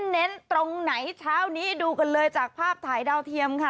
เน้นตรงไหนเช้านี้ดูกันเลยจากภาพถ่ายดาวเทียมค่ะ